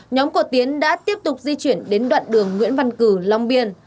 nhóm của tiến đã tiếp tục di chuyển đến đoạn đường nguyễn văn cử long biên